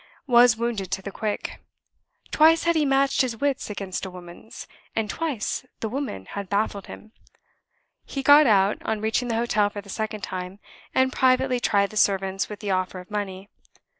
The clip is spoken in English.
was wounded to the quick. Twice had he matched his wits against a woman's; and twice the woman had baffled him. He got out, on reaching the hotel for the second time, and privately tried the servants with the offer of money.